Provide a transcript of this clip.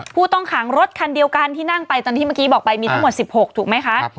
ผู้ต้องขังรถคันเดียวกันที่นั่งไปตอนที่เมื่อกี้บอกไปมีทั้งหมด๑๖ถูกไหมคะ